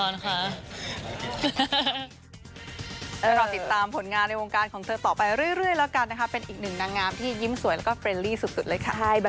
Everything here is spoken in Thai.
อย่างงานยุ่งตลอดค่ะ